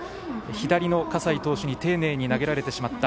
左の葛西投手に丁寧に投げられてしまった。